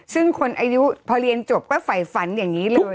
ซึ่งคนอายุพอเรียนจบก็ฝ่ายฝันอย่างนี้เลย